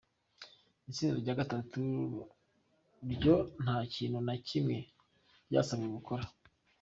Itsinda rya gatatu ryo nta kintu na kimwe ryasabwe gukora.